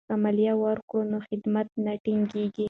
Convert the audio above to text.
که مالیه ورکړو نو خدمات نه ټکنی کیږي.